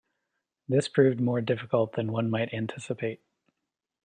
This proved more difficult than one might anticipate.